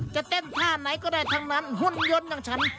จะเต้นท่าไหนก็ได้ทั้งนั้นหุ่นยนต์อย่างฉัน